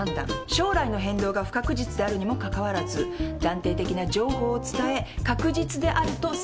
将来の変動が不確実であるにもかかわらず断定的な情報を伝え確実であると錯覚させること。